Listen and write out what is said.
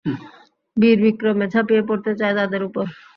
বীর বিক্রমে ঝাঁপিয়ে পড়তে চায় তাদের উপর।